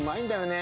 ね